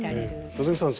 希さん